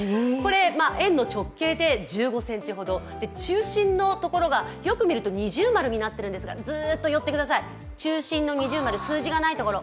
円の直径で１５ｃｍほど中心のところがよく見ると◎になっているんですが、ずっと寄ってください、中心の◎、数字がないところ。